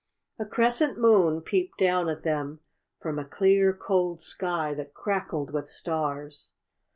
A crescent moon peeped down at them from a clear, cold sky that crackled with stars.